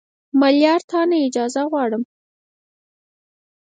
ملیاره تا نه اجازه غواړم